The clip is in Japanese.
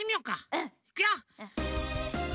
うん。いくよ。